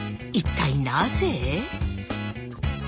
一体なぜ？